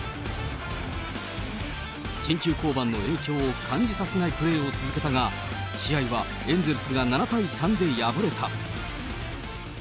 緊急降板の影響を感じさせないプレーを続けたが、試合はエンゼルスが７対３で敗れた。